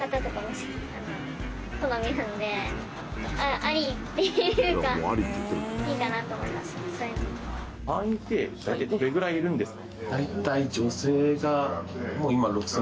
会員って大体どれぐらいいるんですか？